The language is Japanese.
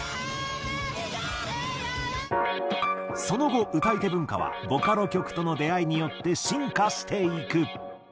その後歌い手文化はボカロ曲との出会いによって進化していく。